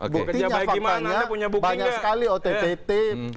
buktinya faktanya banyak sekali ott